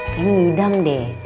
kayaknya ngidam deh